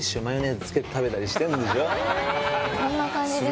こんな感じです。